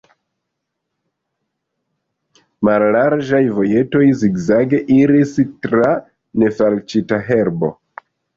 Mallarĝaj vojetoj zigzage iris tra nefalĉita herbo.